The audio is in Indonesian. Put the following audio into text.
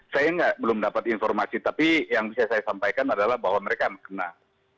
saya belum dapat informasi tapi yang bisa saya sampaikan adalah bahwa mereka kena